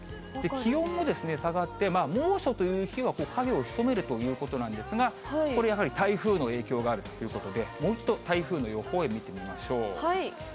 気温も下がって、猛暑という日は影をひそめるということなんですが、これやはり台風の影響があるということで、もう一度、台風の予報円見てみましょう。